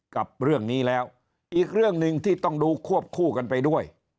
กับเรื่องนี้แล้วอีกเรื่องหนึ่งที่ต้องดูควบคู่กันไปด้วย